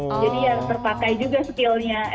jadi ya terpakai juga skillnya